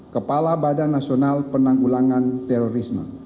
kepala badan nasional penanggulangan terorisme